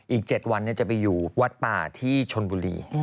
อีก๗วันจะไปอยู่วัดป่าที่ชนบุรี